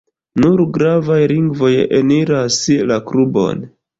Nur gravaj lingvoj eniras la klubon.